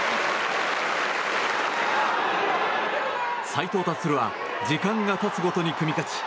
斉藤立は時間が経つごとに組み勝ち